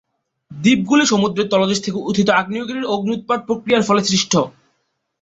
দ্বীপগুলি সমুদ্রের তলদেশ থেকে উত্থিত আগ্নেয়গিরির অগ্ন্যুৎপাত প্রক্রিয়ার ফলে সৃষ্ট।